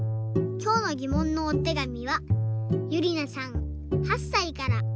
きょうのぎもんのおてがみはゆりなさん８さいから。